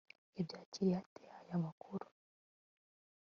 yabyakiriye ate aya makuru